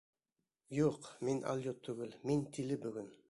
— Юҡ, мин алйот түгел, мин тиле бөгөн.